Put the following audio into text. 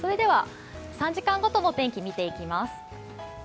３時間ごとの天気、見ていきます。